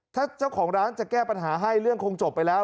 ถ้าเจ้าของร้านจะแก้ปัญหาให้เรื่องคงจบไปแล้ว